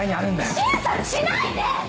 診察しないで！